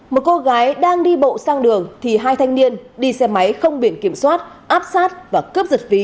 một cô gái đang đi bộ sang đường thì hai thanh niên đi xe máy không biển kiểm soát áp sát và cướp giật ví